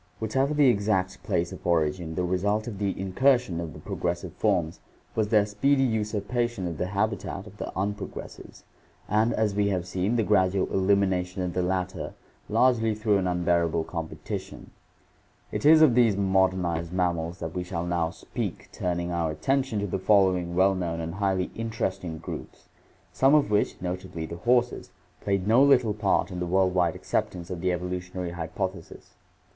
Whatever the exact place of origin, the result of the incursion of the progressive forms was their speedy usurpation of the habitat of the unprogressives and, as we have seen, the gradual elimination of the latter, largely through an unbearable competition. It is of these modernized mammals that we shall now speak, turning our attention to the following well known and highly interesting groups, some of which, notably the horses, played no little part in the world wide acceptance of the evolutionary hypothesis.